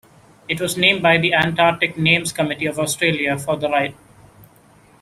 It was named by the Antarctic Names Committee of Australia for the Rt.